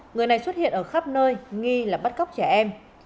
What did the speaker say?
người này xuất hiện ở khắp nơi nghi là bắt cóc trẻ em